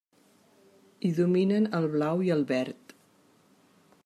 Hi dominen el blau i el verd.